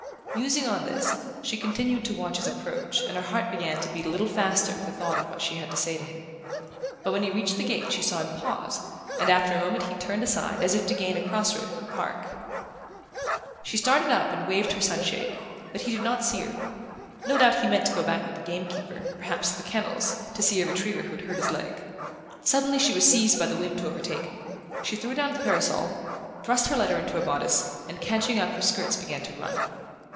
Musing on this, she continued to watch his approach; and her heart began to beat a little faster at the thought of what she had to say to him. But when he reached the gate she saw him pause, and after a moment he turned aside as if to gain a cross road through the park. She started up and waved her sunshade, but he did not see her. No doubt he meant to go back with the gamekeeper, perhaps to the kennels, to see a retriever who had hurt his leg. Suddenly she was seized by the whim to overtake him. She threw down the parasol, thrust her letter into her bodice, and catching up her skirts began to run.